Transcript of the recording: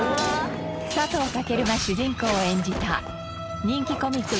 佐藤健が主人公を演じた人気コミック